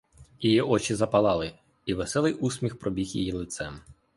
Її очі запалали, і веселий усміх пробіг її лицем.